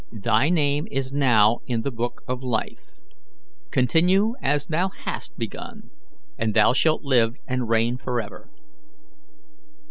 Thy name is now in the Book of Life. Continue as thou hast begun, and thou shalt live and reign forever."